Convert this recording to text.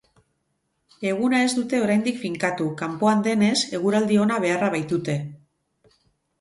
Eguna ez dute oraindik finkatu, kanpoan denez, eguraldi ona beharra baitute.